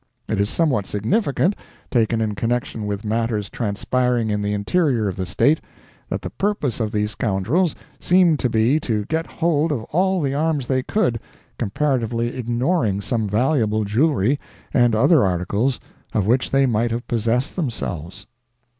It is somewhat significant, taken in connection with matters transpiring in the interior of the State, that the purpose of these scoundrels seemed to be to get hold of all the arms they could, comparatively ignoring some valuable jewelry, and other articles, of which they might have possessed themselves.